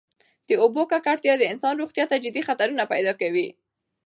د اوبو ککړتیا د انسان روغتیا ته جدي خطرونه پیدا کوي.